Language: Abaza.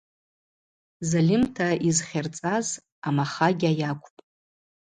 Зальымта йызхьырцӏаз амахагьа йакӏвпӏ.